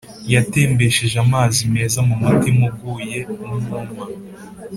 yatembesheje amazi meza mumutima uguye umwuma